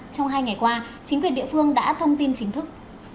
trong hai ngày qua chính quyền địa phương đã thông tin chính thức